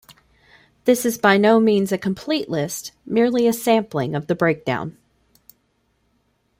This is by no means a complete list, merely a sampling of the breakdown.